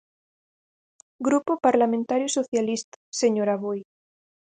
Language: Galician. Grupo Parlamentario Socialista, señor Aboi.